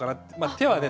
手はね